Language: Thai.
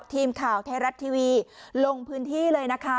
ทีมข่าวไทยรัฐทีวีลงพื้นที่เลยนะคะ